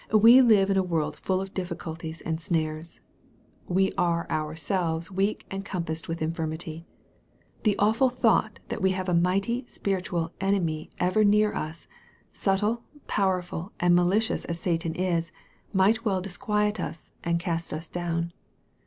We live in a world full of difficulties and snares. We are ourselves weak and compassed with infirmity. The awful thought that we have a mighty spiritual enemy ever near us, subtle, powerful, and malicious as Satan is, might well disquiet us, and cast us down.